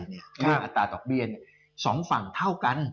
ด้วยอัตราต่อกเบี้ยนสองฝั่งเท่ากัน